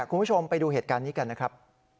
คุณผู้ชมไปดูเหตุการณ์นี้กันนะครับ